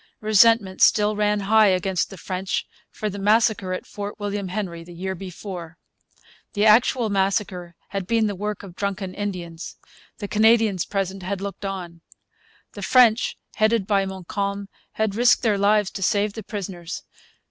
Resentment still ran high against the French for the massacre at Fort William Henry the year before. The actual massacre had been the work of drunken Indians. The Canadians present had looked on. The French, headed by Montcalm, had risked their lives to save the prisoners.